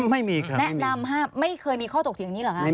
ไม่มีครับแนะนำไม่เคยมีข้อถกเถียงอย่างนี้เหรอคะ